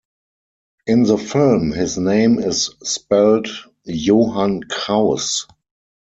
In the film his name is spelled "Johann Krauss".